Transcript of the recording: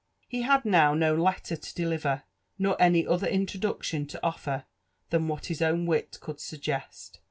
He had now no lelter to deliver, nor any other introduction to ofler than what his own wit could suggest.